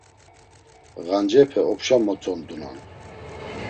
“Ğancepe opşa motzondunan.”